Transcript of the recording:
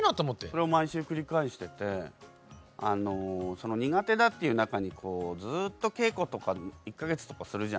それを毎週繰り返してて苦手だっていう中にずっと稽古とか１か月とかするじゃないですか。